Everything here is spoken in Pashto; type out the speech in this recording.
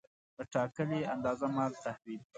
په ټاکلې اندازه مال تحویل کړ.